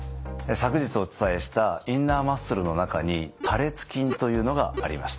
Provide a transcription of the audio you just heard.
昨日お伝えしたインナーマッスルの中に多裂筋というのがありました。